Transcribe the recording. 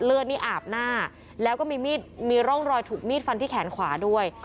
เลือดนี่อาบหน้าแล้วก็มีร่องรอยถูกมีดฟันที่แขนขวาด้วย